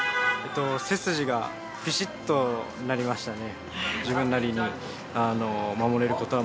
背筋がピシッとなりましたね